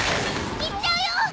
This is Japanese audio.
行っちゃうよ。